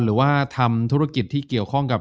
หรือว่าทำธุรกิจที่เกี่ยวข้องกับ